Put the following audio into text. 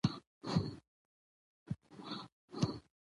علاقمندان کولای سي خپل غوښتنلیکونه